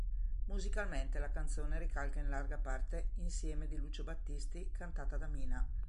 Musicalmente la canzone ricalca in larga parte "Insieme" di Lucio Battisti, cantata da Mina.